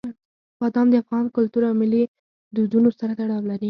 بادام د افغان کلتور او ملي دودونو سره تړاو لري.